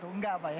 enggak pak ya